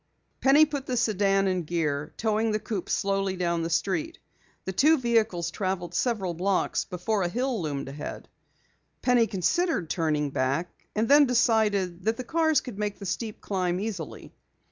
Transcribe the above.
Penny put the sedan in gear, towing the coupe slowly down the street. The two vehicles traveled several blocks before a hill loomed ahead. Penny considered turning back, and then decided that the cars could make the steep climb easily.